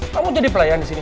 kamu jadi pelayan disini